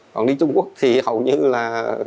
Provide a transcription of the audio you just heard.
còn đi trung quốc thì hầu như là